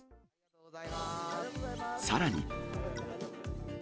さらに。